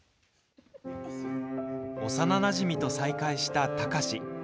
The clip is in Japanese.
幼なじみと再会した貴司。